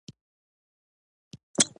د قانون حاکمیت د ټولنې نظم ساتي.